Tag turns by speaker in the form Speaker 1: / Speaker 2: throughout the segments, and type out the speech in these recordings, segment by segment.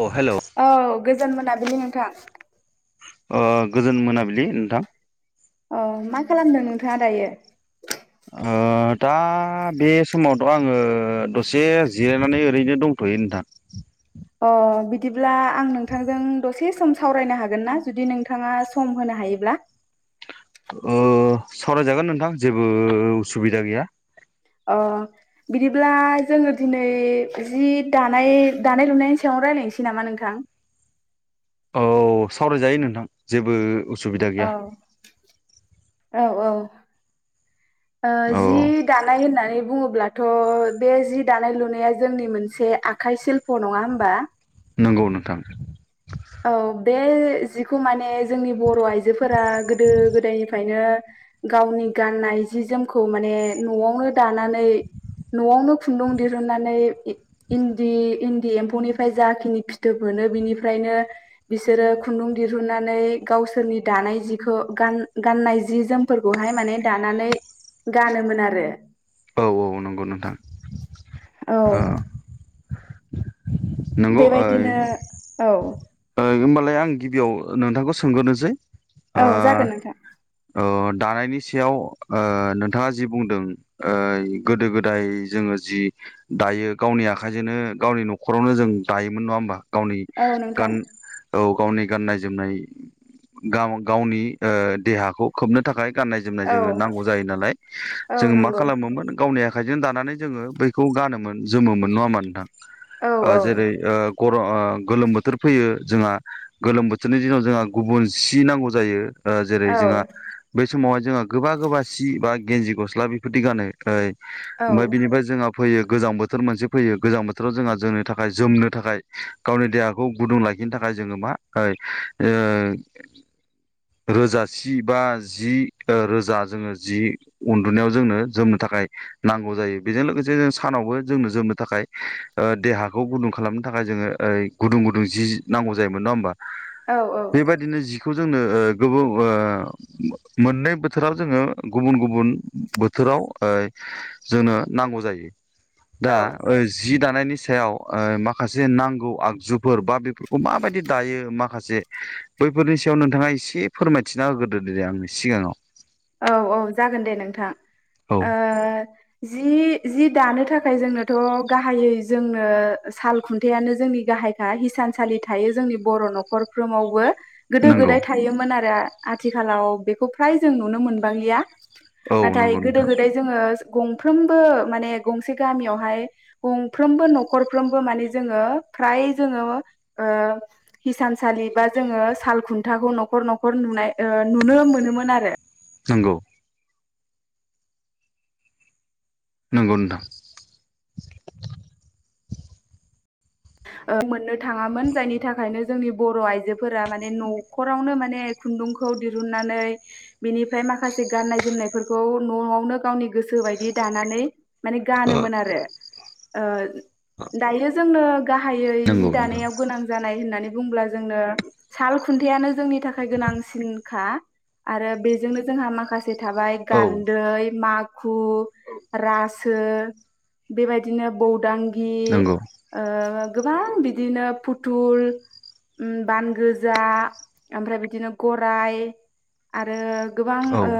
Speaker 1: अ hello
Speaker 2: औ गोजोन मोनाबिलि नोंथां
Speaker 1: ओ गोजोन मोनाबिलि नोंथां
Speaker 2: अ मा खालामदों नोंथाङा दायो
Speaker 1: ओ ओ दा बे समावथ' आङो दसे जिरायनानै ओरैनो दंथ'यो नोंथां
Speaker 2: अ बिदिब्ला आं नोंथांजों दसे सम सावरायनो हागोन ना जुदि नोंथाङा सम होनो हायोब्ला
Speaker 1: ओ सावरायजागोन नोंथां जेबो उसुबिदा गैया
Speaker 2: अ बिदिब्ला जोङो दिनै जि दानाय दानाय लुनायनि सायावनो रायलायनोसै नामा नोंथां
Speaker 1: औ सावरायजायो नोंथां जेबो उसुबिदा
Speaker 2: औ
Speaker 1: गैया।
Speaker 2: औ औ। ओ
Speaker 1: औ
Speaker 2: जि दानाय होननानै बुङो अब्लाथ' बे जि दानाय लुनाया जोंनि मोनसे आखाइ सिल्प' नङा होमबा
Speaker 1: नंगौ नोंथां।
Speaker 2: औ बे जिखौ माने जोंनि बर' आइजोफोरा गोदो गोदायनिफ्रायनो गावनि गाननाय जि जोमखौ माने न'आवनो दानानै न'आवनो खुन्दुं दिहुननानै इन्दि इन्दि एम्फौनिफ्राय जाखिनि फिथोबफोर मोनो बिनिफ्रायनो बिसोरो खुन्दुं दिहुननानै गावसोरनि दानाय जिखौ गाननाय जि जोमफोर फोरखौहाय माने दानानै गानोमोन आरो
Speaker 1: औ औ नंगौ नोंथां ओ
Speaker 2: औ
Speaker 1: नंगौ ओ
Speaker 2: बेबायदिनो औ
Speaker 1: होमबालाय आं गिबियाव नोंथांखौ सोंग्रोनोसै
Speaker 2: औ
Speaker 1: ओ
Speaker 2: जागोन नोंथां
Speaker 1: अ दानायनि सायाव नोंथाङा जि बुंदों गोदो गोदाय जोङो जि दायो गावनि आखाइजोंनो गावनि न'खरावनो जों दायोमोन नङा होमबा गावनि
Speaker 2: औ नोंथां
Speaker 1: गान औ गावनि गाननाय जोमनाय गाव गावनि देहाखौ खोबनो थाखाय गाननाय जोमनाय
Speaker 2: औ
Speaker 1: जोङो नांगौ जायो नालाय
Speaker 2: औ
Speaker 1: जोंङो मा
Speaker 2: नंगौ
Speaker 1: खालामोमोन गावनि आखाइजों दानानै जोङो बैखौ गानोमोन जोमोन नङा होमबा नोंथां
Speaker 2: औ औ
Speaker 1: जेरै गर ओ गोलोम बोथोर फैयो जोंहा गोलोम बोथोरनि दिनाव जोंहा गुबुन सि नांगौ जायो
Speaker 2: औ
Speaker 1: जेरै जोंहा बे समावहाय जोंहा गोबा गोबा सि बा गन्जि गस्ला बेफोरदि गानो
Speaker 2: औ
Speaker 1: ओमफ्राय बिनिफ्राय जोंहा फैयो गोजां बोथोर मोनसे फैयो गोजां बोथोराव जोंहा जोंनि थाखाय जोमनो थाखाय गावनि देहा खौ गुदुं लाखिनो थाखाय जोङो मा ओ रोजा सि बा जि रोजा जोङो जि उन्दुनायाव जोंनो जोमनो थाखाय थाखाय नांगौ जायो बेजों लोगोसे जों सानावबो जोंनो जोमनो थाखाय देहाखौ गुदुं खालामनो थाखाय थाखाय जोङो गुदुं गुदुं जि नांगौ जायोमोन नङा होमबा
Speaker 2: औ
Speaker 1: बेबायदिनो जिखौ जोंनो मोननै बोथोराव जोङो गुबुन गुबुन बोथोर बोथोराव जोंनो नांगौ जायो
Speaker 2: औ
Speaker 1: दा जि दानायनि सायाव ओ माखासे नांगौ आग फोर बा बेफोरखौ माबायदि दायो माखासे जे बैफोरनि सायाव नोंथाङा एसे फोरमायथिना होग्रो दे आंनि सिगाङाव
Speaker 2: औ औ जागोन दे नोंथां
Speaker 1: औ
Speaker 2: जि जि दानो थाखाय जोंनोथ' गाहायै जोंनो साल खुन्थायानो जोंनि गाहाय खा हिसानसालि थायो जोंनि बर' न'खरफ्रोमावबो गोदो
Speaker 1: नंगौ
Speaker 2: गोदाय थायोमोन आरो आथिखालाव बेखौ फ्राय जों नुनो मोनबांलिया।
Speaker 1: औ
Speaker 2: नाथाय
Speaker 1: नंगौ
Speaker 2: गोदो
Speaker 1: नोंथां
Speaker 2: गोदाय जोङो गंफ्रोमबो माने गंसे गामियावहाय गंफ्रोमबो न'खरफ्रोमबो माने जोङो फ्राय जोङो ओ हिसानसालि बा जोङो साल खुन्थाखौ न'खर न'खर। नुनाय ओ नुनो मोनोमोन आरो।
Speaker 1: नंगौ। नंगौ नोंथां।
Speaker 2: ओ मोननो थाङामोन जायनि थाखायनो जोंनि बर' आइजोफोरा माने न'खरावनो माने दुंखौ दिरूननानै बिनिफ्राय माखासे गाननाय जोमनायफोरखौ न'आवनो गावनि गोसो बायदि दि दानानै मान गानोमोन आरो ओ दायो जोनो गाहायै
Speaker 1: नंगौ
Speaker 2: जि
Speaker 1: नोंथां
Speaker 2: दानायाव गोनां जानाय होननानै बुंब्ला जोंनो साल खुन्थायानो जोंनि थाखाय गोनांसिनखा। आरो बेजोंनो जोंहा माखासे थाबाय
Speaker 1: औ
Speaker 2: गान्दै माग खु, रासो‌ बे बायदिनो बौदांगि बि
Speaker 1: नंगौ
Speaker 2: ओ गोबां बिदिनो फुथुल उम बान गोजा ओमफ्राय बिदिनो गराइ आरो गोबां ओ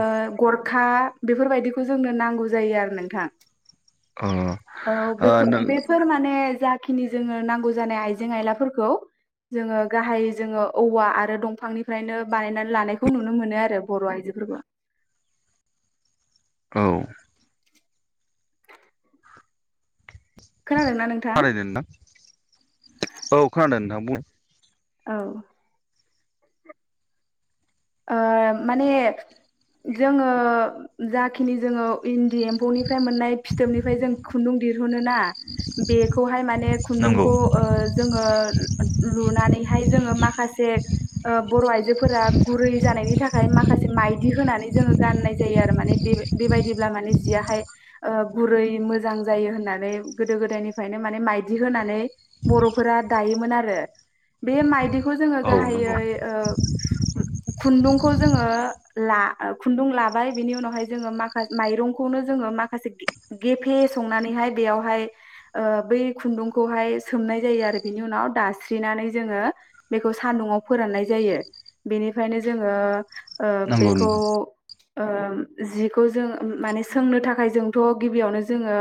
Speaker 2: गरखा बेफोर बायदिखौ जोंनो नांगौ जायो आरो नोंथां औ
Speaker 1: ओ
Speaker 2: बेफो
Speaker 1: नों
Speaker 2: बेफोर माने जाखिनि जोङो नांगौ जानाय आइजें आयलाफोरखौ जोङो गाहाय जोङो औवा आरो दंफांनिफ्रायनो बानायनानै लानायखौ नुनो मोनो आरो बर' आइजोफोरखौ [inaudible]
Speaker 1: औ
Speaker 2: खोनादोंना नोंथां
Speaker 1: खालायदों नोंथां औ खोनादों नोंथां बुं
Speaker 2: औ ओ माने जोङो जाखिनि जोङो इन्दि एम्फौनिफ्राय मोननाय फिथोबनिफ्राय जों खुन्दुं देरहुनो ना बेखौहाय माने
Speaker 1: नंगौ
Speaker 2: खुन्दुंखौ
Speaker 1: औ
Speaker 2: ओ जोङो लुनानैहाय जोङो माखासे से ओ बर' आइजोफोरा गुरै जानायनि थाखाय माखासे माइदि होनानै जो जो गाननाय जायो आरो माने बे बे बायदिब्ला माने जियहाय ओ गुरै मोजां जायो होननानै नै गोदो गोदायनिफ्रायनो माने माइदि होनानै बर'फोरा दायोमोन आरो बे माइदिखौ जोङो
Speaker 1: नंगौ
Speaker 2: गाहायै ओ खुन्दुंखौ जोङो ला खुन्दुं लाबाय बिनि उनावहाय जोङो माखासे माइरंखौनो जोङो माखासे‌ गे गेफे संनानैहखय बेयावहाय ओ बै खुन्दुं खौहाय सोंनाय जा जायो आरो‌ बिनि उनाव दास्रिनानै जोङो बेखौ सानदुंआव फोराननाय जायो बेनि बेओखायनो जोङो ओ
Speaker 1: नंगौ
Speaker 2: बेखौ
Speaker 1: नोंथां
Speaker 2: ओ जिखौ जों माने सोंनो थाखाय जोंथ' गिबियावनो जोङो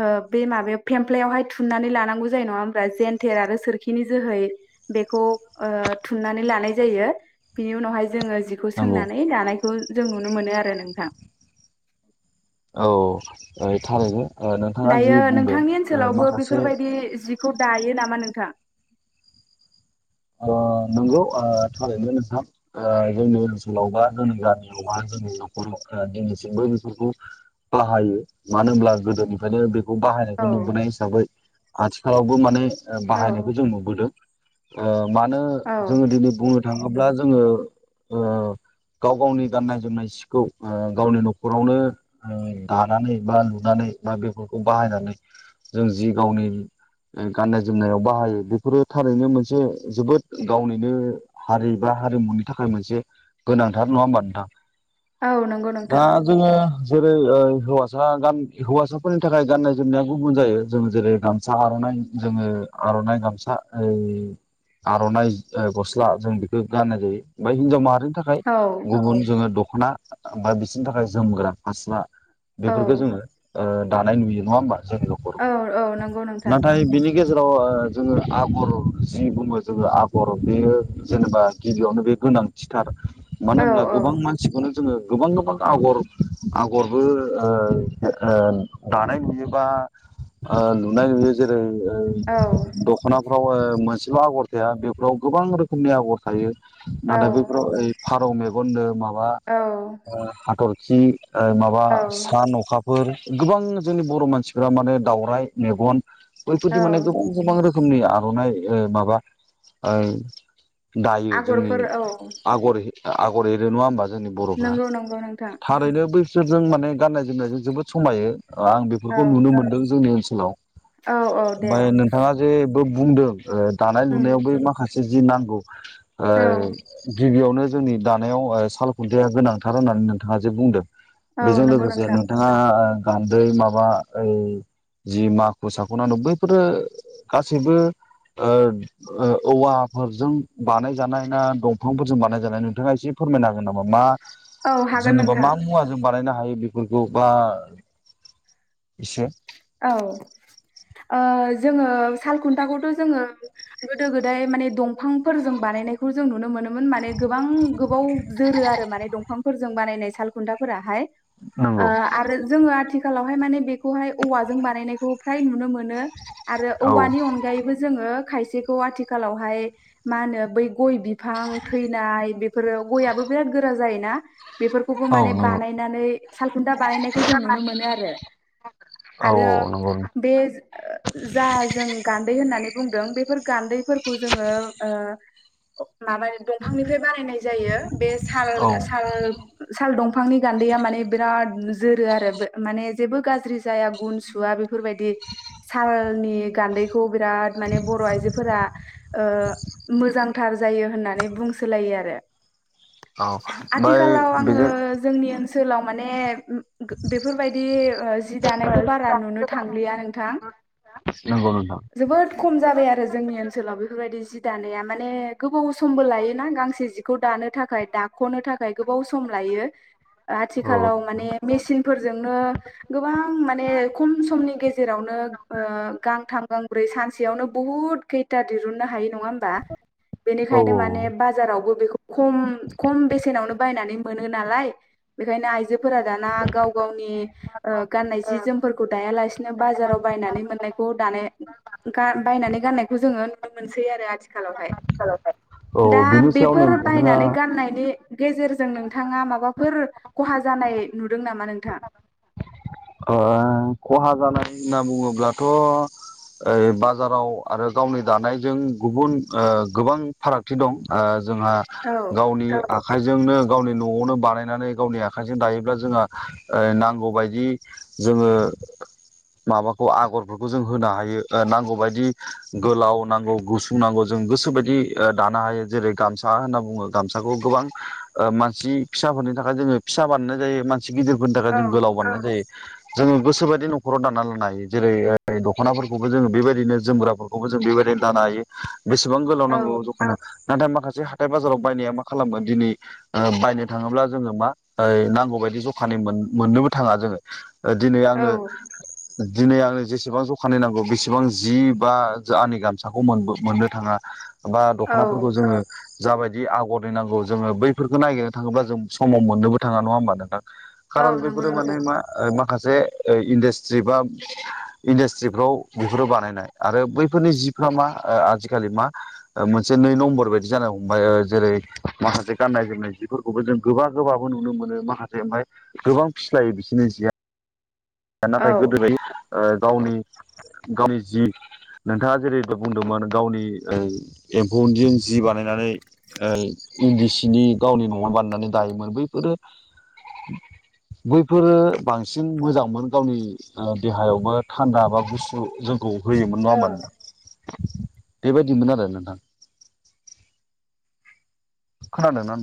Speaker 2: ओ बे माबा फ्लेमफ्ला यावहाय थुननानै लांगौ जायो नंङा होमबा जेनथेर आरो सोरखिनि जोहै बेखौ ओ थुननानै लानाय जायो बिनि उनावहाय जोङो जिखौ
Speaker 1: नंगौ
Speaker 2: सोंनानै लानायखौ जों नुनो मोनो आरो नोंथां
Speaker 1: औ ओ थारैनो नोंथाङा
Speaker 2: दायो
Speaker 1: जि बुंदों
Speaker 2: नोंथांनि ओनसोलावबो बेफोर
Speaker 1: माखासे
Speaker 2: बायदि जि बेखौ दायो नामा नोंथां
Speaker 1: ओ नंगौ ओ थारैनो नोंथां ओ जोंनि ओनसोलावबा जोंनि गामियावबा नखर ओ दिनैसिमबो बेफोरखौ बाहायो मानो होनब्ला गोदोनिफ्रायनो बे बेखौ
Speaker 2: औ
Speaker 1: बाहायनायखौ नुबोनाय हिसाबै आथिखालावबो माने
Speaker 2: औ
Speaker 1: बाहायनायखौ जों नुबोदों ओ मानो
Speaker 2: औ
Speaker 1: जोङो दिनै बुंनो थांङोब्ला जोङो ओ गाव गावनि गाननाय जोमनाय सिखौ ओ गावनि न'खरावनो ओ दानानै बा लुनानै बा बेफोरखौ बाहायनानै जों जि गावनि ओ गाननाय जोमनायाव बाहायो बेफोरो थारैनो मोनसे मोनसे जोबोद गावनिनो हारि बा हारिमुनि थाखाय मोनसे गोनांथार नङा होमबा नोंथां
Speaker 2: औ नंगौ
Speaker 1: दा
Speaker 2: नोंथां
Speaker 1: जोङो जेरै ओ हौवासा गान हौवासाफोरनि थाखाय गाननाय जोमनाया गुबुन जायो जों जेरै गामसा आर'नाइ जोङो आर'नाइ गामसा ओ आर'नाइ ओ गस्ला जों बेखौ गाननाय जायो ओमफ्राय हिनजाव माहारि थाखाय
Speaker 2: औ
Speaker 1: गुबुन जोङो दख'ना बा बिसोरनि थाखाय जोमग्रा फास्रा
Speaker 2: औ
Speaker 1: बेफोरखौ जोङो ओ दानाय नुयो नङा होमबा जों न'खर
Speaker 2: औ औ नंगौ नोंथां
Speaker 1: नाथाय बिनि गेजेराव ओ जोङो आगर जि बुङो जोङो आगर बेयो जेनेबा गिबियावनो बे गोनांथिथार मानो
Speaker 2: औ
Speaker 1: होमब्ला गोबां मानसिखौनो जोङो गोबां गोबां आगर आगरबो ओ - ओ दानाय नुयोबा ओ लुनाय नुयो जेरै
Speaker 2: औ
Speaker 1: ओंदख'नाफ्राव ओ मोनसेल' आगर थाया बेफोराव गोबां रोखोमनि आगर थायो
Speaker 2: औ
Speaker 1: नाथाय बैफोराव ओ फारौ मेगननो माबा
Speaker 2: औ
Speaker 1: ओ हाथरखि ओ माबा
Speaker 2: औ
Speaker 1: सान अखा फोर गोबां जोंनि बर' मानसिफोरा माने दावराइ मेगन बैफोरदि माने
Speaker 2: औ
Speaker 1: गोबां गोबां रोखोम खोमनि आर'नाइ ओ माबा ओ दायो जोंनि
Speaker 2: आगरफोर औ
Speaker 1: आगरै आगर एरो नङा होमबा। जोंनि बर'फ्रा
Speaker 2: नंगौ नंगौ नोंथां
Speaker 1: थारैनो बै फोरजों माने गाननाय जोमनायजों जोबोद समायो ओ आं
Speaker 2: औ
Speaker 1: बेफोरखौ नुनो मोनदों जोंनि ओनसोलाव
Speaker 2: औ औ दे
Speaker 1: ओमफाय नोंथाङा जे बुंदों ओ दानाय
Speaker 2: उम
Speaker 1: लुनायावबो माखासे जि नांगौ ओ
Speaker 2: औ
Speaker 1: गिबियावनो जोंनि दानायाव ओ साल खुन्थाया गोनांथार होननानै नोंथाङा जे बुंदों
Speaker 2: औ
Speaker 1: बेजों
Speaker 2: नंगौ
Speaker 1: लोगोसे
Speaker 2: नोंथां
Speaker 1: नोंथाङा ओ गान्दै माबा ओइ जि माखु साखुना [inaudible] बैफोरो गासैबो ओ-ओ औवाफोरजों बानायजानाय ना दंफांफोरजों बानाय जानाय नोंथाङा एसे फोरमायनो हागोन नामा मा
Speaker 2: औ हागोन
Speaker 1: जेनेबा
Speaker 2: नोंथां
Speaker 1: मा मुवाजों बानायनो हायो बेफोरखौ बा एसे
Speaker 2: औ ओ जोङो सालखुन्थाखौथ' जोङो गोदो गोदाय माने दंफांफोरजों बानाय नायनायखौ जों नुनो मोनो। मोन माने गोबां गोबाव जोरो आरो माने दंफांफोरजों बानायनाय साल खुन्थाफोराहाय ओ
Speaker 1: नंगौ
Speaker 2: आरो जोङो आथिखालावहाय माने बेखौहाय औवाजों बानायनायखौ फ्राय नुनो मोन नो आरो
Speaker 1: औ
Speaker 2: औवानि अनगायैबो जोङो खायसेखौ आजिखालावहाय मा होनो बै गय बि फां थैनाय बेफोरो गयाबो बिराद गोरा जायोना। बेफोरखौबो
Speaker 1: औ
Speaker 2: माने
Speaker 1: नंगौ
Speaker 2: बानायनानै सालखुन्था बानायनायखौ जों नुनो मोनो आरो
Speaker 1: औ औ
Speaker 2: आरो
Speaker 1: नंगौ
Speaker 2: बे [unintelligible] जा जों गान्दै होनना नै बुंदों बेफोर गान्दैफोरखौ जोङो ओ माबा दंफांनिफ्राय बानायनाय जायो बे साल
Speaker 1: औ
Speaker 2: साल साल दंफां फांनि गान्दैया माने बिराद जोरो आरो माने जेबो गाज्रि जाया गुन सुवा बेफोरबायदि सालनि गान्दै खौ बिराद माने बर' आइजोफोरा ओ मोजांथार जायो होननानै बुंसोलायो आरो [unintelligible]
Speaker 1: ओमफ्राय
Speaker 2: आथिखालाव आङो
Speaker 1: बेजों
Speaker 2: जोंनि ओन सोलाव माने बेफोरबाय ओ दानायखौ बारा नुनो थांलिया नोंथां
Speaker 1: नंगौ नोंथां
Speaker 2: जोबोद खम जाबाय आरो जोंनि ओनसोलाव बेफोरबायदि जि दानाया माने गोबाव समबो लायोना गांसे जिखौ दानो थाखाय दाख'नो थाखाय गोबाव सम लायो नुयो ओ
Speaker 1: औ
Speaker 2: आथिखालाव माने मेसिनफोरजोंनो गो बां माने खम समनि गेजेरावनो ओ गा थाम गांब्रै सानसेयावनो बुहुत खैथा दिरुननो हायो नङा होमबा
Speaker 1: औ
Speaker 2: बेनिखायनो
Speaker 1: औ
Speaker 2: माने बाजारावबो बेखौ खम-खम बेसेनावनो बायनानै मोनो नालाय बेखायनो आइजोफोरा दाना गाव गावनि ओ गाननाय जि जोमफोरखौ दायालासिनो बाजाराव बायनानै मोननायखौ दानाय गा बायनानै गाननायखौ जोङो नुनो मोनसै आरो आथिखालावहाय
Speaker 1: औ
Speaker 2: दा
Speaker 1: बिनि सायाव
Speaker 2: बेफोर
Speaker 1: नोंथाङा
Speaker 2: बायनानै गाननायनि गेजेरजों नोंथाङा माबाफोर खहा जानाय नुदों नामा नोंथां
Speaker 1: ओ खहा जानाय होनना बुङोब्लाथ' औ बाजाराव आरो गावनो बानायजों गुबुन ओ गोबां फारागथि दं। जोंहा
Speaker 2: औ
Speaker 1: गावनि आखाइजोंनो। गावनि न'आवनो बानायनानै गावनि आखाइजों दायोब्ला जोंहा ओ नांगौबायदि। जोङो माबाखौ आगरफोरखौ जों होनो हायो ओ नांगौ बायदि गोलाव नांगौ गुसुं नांगौ जों गोसोबायदि ओ दानो हायो जेरै गसा होनना बुङो गसाखौ गोबां ओ मानसि फिसा खावहोनो थाखाय जोङो फिसा बानायनाय जायो मानसि गिदिरफोरनि थाखाय
Speaker 2: औ
Speaker 1: जों गोलाव बानायनाय जायो। जोङो गोसोबायदि न'खराव दाना लानो हायो जेरै ओ दख'नाफोरखौबो जोङो बेबायदिनो जोमग्राफोरखौबो जों जों बेबायदि दानो हायो बेसेबां गोलाव
Speaker 2: औ
Speaker 1: नांगौ जखानि। नाथाय माखासे हाथाय बाजाराव बायनाया मा खालामो दिनै ओ बायनो थाङोब्ला जोङो मा ओ नांगौ बाय बिदि जखानि मोन मोनोनो थाङा जोङो। ओ दिनै
Speaker 2: औ
Speaker 1: आंङो दिनै आंङो जेसेबां ज'खानि नांगौ बेसेबां जि बा जा आंनि गामसाखौ मोनबो मोननो थाङा। बा
Speaker 2: औ
Speaker 1: दख'नाफोरखौ जोङो जाबायदि आगर निनांगौ जोङो बैफोरखौ नागिरनो थाङोब्ला जों समाव मोननोबो थाङा नङा होमबा नोंथां।
Speaker 2: औ
Speaker 1: खारन
Speaker 2: नंगौ
Speaker 1: बैफोरो माने
Speaker 2: नोंथां
Speaker 1: मा ओ माखासे इन्डास्ट्रि बा इन्डास्ट्रिफ्राव बिफोरो बानायनाय आरो बै फोननि जिफ्रा मा ओ आजिखालि मा मोनसे नै नम्बर बायदि जानो हमबाय ओ जेरै माखासे गाननाय जोमनाय जिफोरखौबो जों गोबा गोबाबो नुनो मोनो माखासे ओमफाय गोबां फिस्लायो बिसोर बिनोसिआ
Speaker 2: औ
Speaker 1: नाथाय गोदोबाय ओ गावनि गावनि जि नोंथाङा जेरै बुंदोंमोन गावनि ओ एम्फौनि जि बानायनानै ओय इन्दि सिनि गावनि न'आव बानायनानै दायोमोन बैफोरो बैफोरो बांसिन मोजां मोन। गावनि ओ देहायावबो थान्दा बा गुसु जोंखौ होयोमोन नङा
Speaker 2: औ
Speaker 1: होमबा बेबायदिमोन आरो नोंथां। खानादों नों